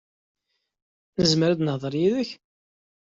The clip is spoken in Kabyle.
Nezmer ad nehder yid-k?